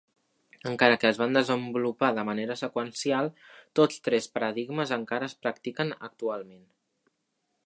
Encara que es van desenvolupar de manera seqüencial, tots tres paradigmes encara es practiquen actualment.